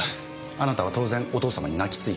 あなたは当然お父様に泣きついた。